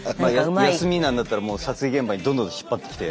休みなんだったらもう撮影現場にどんどん引っ張ってきて。